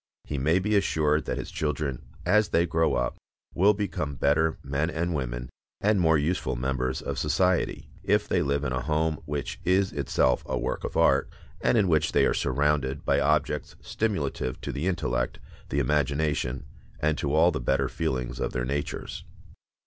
He may be assured that his children as they grow up will become better men and women, and more useful members of society, if they live in a home which is itself a work of art, and in which they are surrounded by objects stimulative to the intellect, the imagination, and to all the better feelings of their natures.